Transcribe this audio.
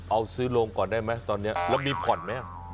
เอาซื้อโรงก่อนได้ไหมตอนนี้แล้วมีผ่อนไหม